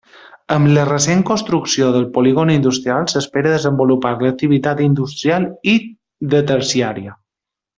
Amb la recent construcció del polígon industrial s'espera desenvolupar l'activitat industrial i de terciària.